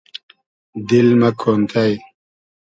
دیل مۂ کۉنتݷ